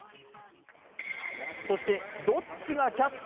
そしてどっちがキャッチ？